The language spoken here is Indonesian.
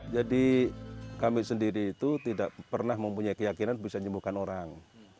jadi kami sendiri itu tidak pernah mempunyai keyakinan bisa menyembuhkan orang